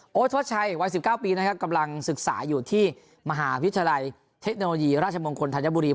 โทษชัยวัย๑๙ปีนะครับกำลังศึกษาอยู่ที่มหาวิทยาลัยเทคโนโลยีราชมงคลธัญบุรี